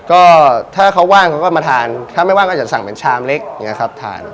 ก็ถ้าเขาว่างเขาก็มาทานถ้าไม่ว่างก็จะสั่งเป็นชามเล็กอย่างนี้ครับทาน